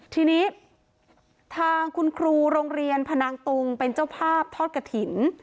ทีนี้ทางคุณครูโรงเรียนพนังตุงเป็นเจ้าภาพทอดกระถิ่น